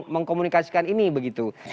mengkomunikasikan ini begitu